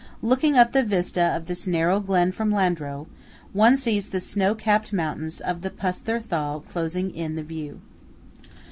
Looking up the vista of this narrow glen from Landro, one sees the snow capped mountains of the Pusther Thal closing in the view.